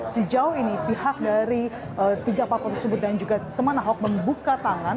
sejauh ini pihak dari tiga parpol tersebut dan juga teman ahok membuka tangan